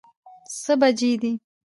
څه بجې دي؟